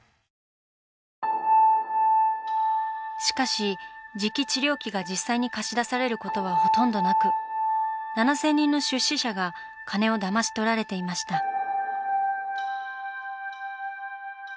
しかし磁気治療器が実際に貸し出されることはほとんどなく７，０００人の出資者が金をだまし取られていました。